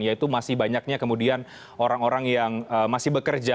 yaitu masih banyaknya kemudian orang orang yang masih bekerja